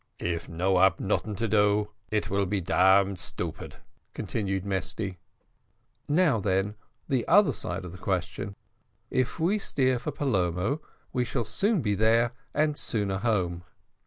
"If no ab noting to do it will be damned 'tupid," continued Mesty. "Now then the other side of the question. If we steer for Palermo, we shall be sooner there and sooner home."